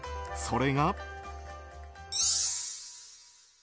それが。